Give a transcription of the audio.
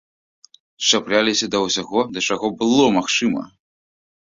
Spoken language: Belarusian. Чапляліся да ўсяго, да чаго было магчыма.